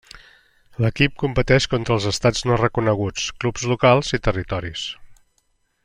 L'equip competeix contra els estats no reconeguts, clubs locals, i territoris.